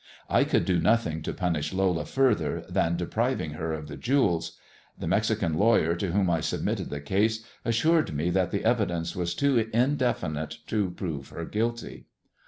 I could do nothing to punish Lola further than depriving her of the jewels. The Mexican lawyer to whom I sub mitted the case assured me that the evidence was too indefinite to prove her guilty.